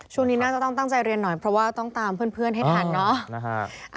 ช่วงนี้น่าจะต้องตั้งใจเรียนหน่อยเพราะว่าต้องตามเพื่อนให้ทันเนาะ